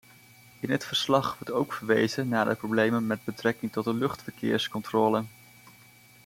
In het verslag wordt ook verwezen naar de problemen met betrekking tot de luchtverkeerscontrole.